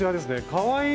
かわいい！